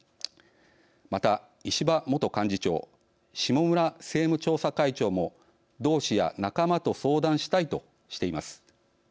また石破元幹事長下村政務調査会長も同志や仲間と相談したいとしています。